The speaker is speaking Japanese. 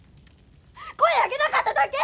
声上げなかっただけ？